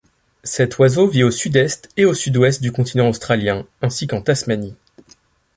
Cet oiseau vit au sud-est et au sud-ouest du continent australien ainsi qu'en Tasmanie.